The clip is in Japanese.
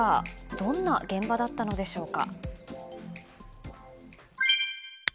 どんな現場だったのでしょうか。